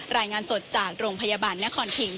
รายงานสดจากโรงพยาบาลนครพิง